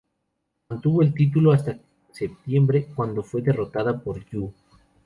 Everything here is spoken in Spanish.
Mantuvo el título hasta septiembre, cuando fue derrotada por Yuu.